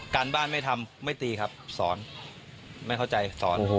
การบ้านไม่ทำไม่ตีครับสอนไม่เข้าใจสอน